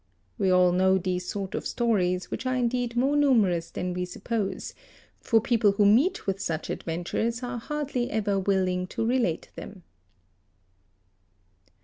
, We all know these sort of stories, which are indeed more numerous than we ; suppose, for people who meet with such adventures are hardly ever will ing to relate them.